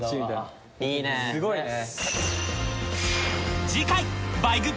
すごいね。